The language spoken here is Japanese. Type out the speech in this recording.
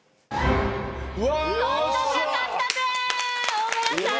大村さん